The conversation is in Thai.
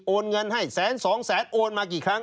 เงินให้แสนสองแสนโอนมากี่ครั้ง